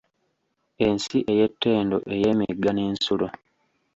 Ensi ey’ettendo ey’emigga n’ensulo.